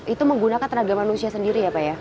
itu menggunakan tenaga manusia sendiri ya pak ya